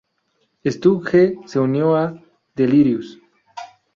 Stu G se unió a Delirious?